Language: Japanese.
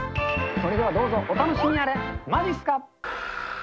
それではどうぞお楽しみあれ、まじっすか。